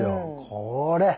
これ。